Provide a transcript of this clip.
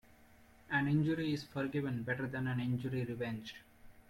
An injury is forgiven better than an injury revenged.